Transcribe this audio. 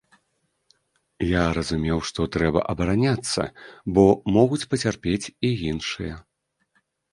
Я разумеў, што трэба абараняцца, бо могуць пацярпець і іншыя.